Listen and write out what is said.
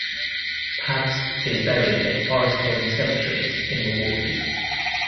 Pabst is buried at Forest Home Cemetery in Milwaukee.